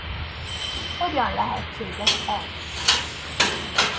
Hogyan lehetséges ez?